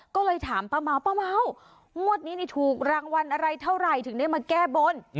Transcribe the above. ก็เลยถามป้าเม้าป้าเม้างวดนี้ถูกรางวัลอะไรเท่าไหร่ถึงได้มาแก้บน